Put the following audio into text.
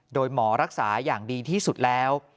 โดยหมอรักษาอย่างดีที่สุดแล้ว